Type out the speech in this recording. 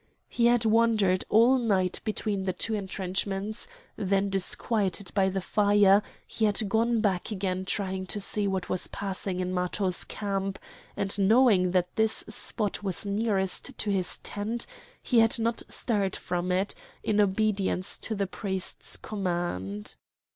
He had wandered all night between the two entrenchments; then disquieted by the fire, he had gone back again trying to see what was passing in Matho's camp; and, knowing that this spot was nearest to his tent, he had not stirred from it, in obedience to the priest's command.